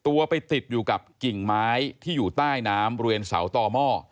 ตัวไปติดอยู่กับกิ่งไม้ที่อยู่ใต้น้ำบริเวณเสาต่อหม้อ